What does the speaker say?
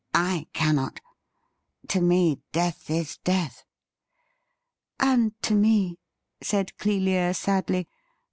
I cannot. To me death is death.' ' And to me,' said Clelia sadly.